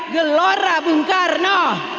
gelora bung karno